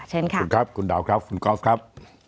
เชิญค่ะคุณครับคุณดาวครับคุณกอล์ฟครับ